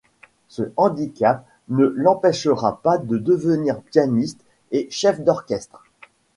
Ce handicap ne l'empêchera pas de devenir pianiste et chef d'orchestre.